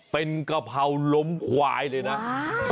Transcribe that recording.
เป็นกะเพราล้มควายเลยนะ